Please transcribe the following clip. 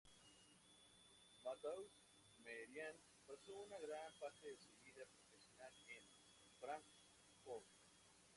Matthäus Merian pasó una gran parte de su vida profesional en Fráncfort.